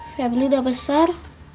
febri udah besar